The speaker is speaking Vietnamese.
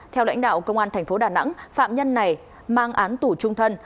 theo lãnh đạo công an tp đà nẵng phạm nhân này mang án tủ trung thân